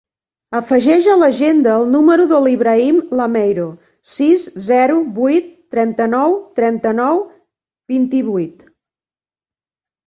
Afegeix a l'agenda el número de l'Ibrahim Lameiro: sis, zero, vuit, trenta-nou, trenta-nou, vint-i-vuit.